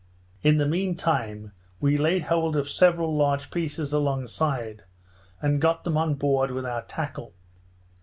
In the mean time, we laid hold of several large pieces along side, and got them on board with our tackle.